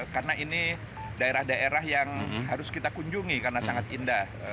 karena ini daerah daerah yang harus kita kunjungi karena sangat indah